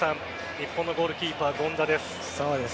日本のゴールキーパー権田です。